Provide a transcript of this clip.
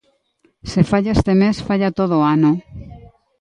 Se falla este mes, falla todo o ano.